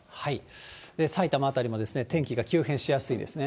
埼玉辺りも天気が急変しやすいですね。